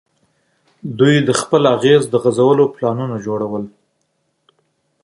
دوی د خپل نفوذ د غځولو پلانونه جوړول.